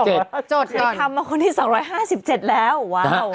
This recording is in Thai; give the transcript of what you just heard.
โจทยอนใครทำมาคนที่๒๕๗แล้วว้าว